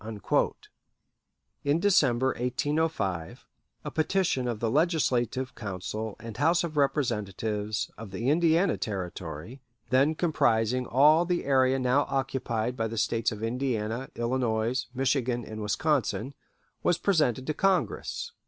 In December, 1805, a petition of the Legislative Council and House of Representatives of the Indiana Territory then comprising all the area now occupied by the States of Indiana, Illinois, Michigan, and Wisconsin was presented to Congress.